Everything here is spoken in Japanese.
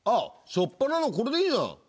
初っぱなのこれでいいじゃん。